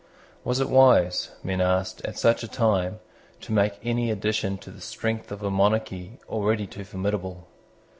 Was it wise, men asked, at such a time, to make any addition to the strength of a monarchy already too formidable?